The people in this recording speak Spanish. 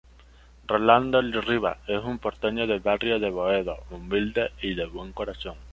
Rolando Rivas es un porteño del barrio de Boedo, humilde y de buen corazón.